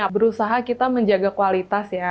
berusaha kita menjaga kualitas ya